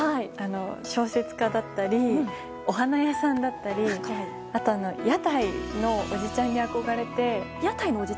小説家だったりお花屋さんだったりあとは屋台のおじちゃんに憧れて。